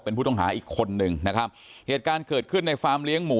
เป็นผู้ต้องหาอีกคนนึงนะครับเหตุการณ์เกิดขึ้นในฟาร์มเลี้ยงหมู